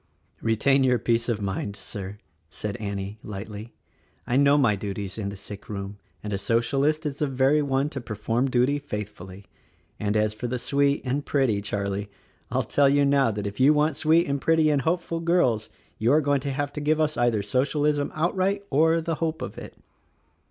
"Retain your peace of mind, Sir," said Annie, lightly, "I know my duties in the sick room, and a Socialist is the very one to perform duty faithfully. And, as for the 'sweet' and 'pretty,' Charlie, I'll tell you now that if you want sweet and pretty and hopeful girls you are going to have to give us either Socialism outright or the hope of it.